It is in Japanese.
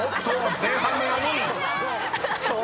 前半の４人］